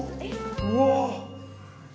うわ！